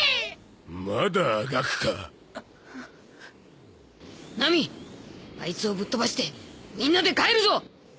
まだあがくかナミアイツをぶっ飛ばしてみんなで帰るぞ